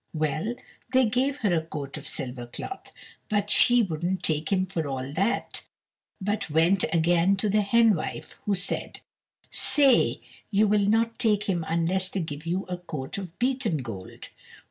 Well, they gave her a coat of silver cloth, but she wouldn't take him for all that, but went again to the henwife, who said, "Say you will not take him unless they give you a coat of beaten gold."